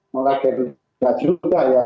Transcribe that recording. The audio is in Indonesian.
mulai dari k tiga juga ya